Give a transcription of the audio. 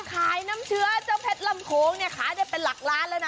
น้ำเชื้อเจ้าเพชรลำโค้งเนี่ยขายได้เป็นหลักล้านแล้วนะ